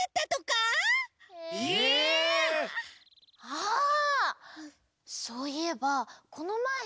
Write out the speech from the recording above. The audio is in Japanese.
あそういえばこのまえ。